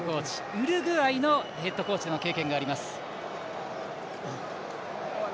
ウルグアイでもヘッドコーチの経験があります。